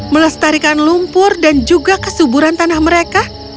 melestarikan lumpur dan juga kesuburan tanah mereka